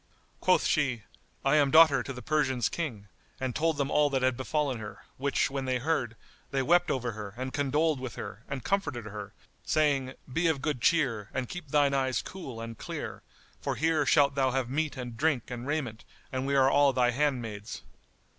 Quoth she, "I am daughter to the Persians' King;" and told them all that had befallen her; which when they heard, they wept over her and condoled with her and comforted her, saying, "Be of good cheer and keep thine eyes cool and clear, for here shalt thou have meat and drink and raiment, and we all are thy handmaids."